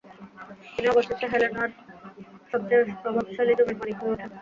তিনি অবশেষে হেলেনার সবচেয়ে প্রভাবশালী জমির মালিক হয়ে ওঠেন।